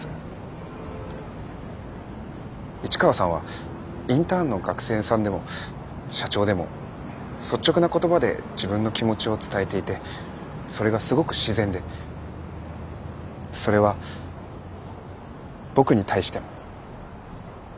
市川さんはインターンの学生さんでも社長でも率直な言葉で自分の気持ちを伝えていてそれがすごく自然でそれは僕に対しても。